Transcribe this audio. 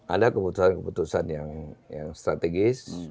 ada keputusan keputusan yang strategis